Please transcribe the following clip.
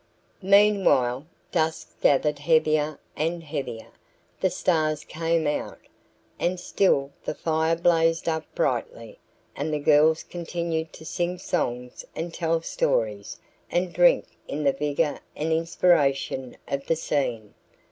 Meanwhile dusk gathered heavier and heavier, the stars came out, and still the fire blazed up brightly and the girls continued to sing songs and tell stories and drink in the vigor and inspiration of the scene.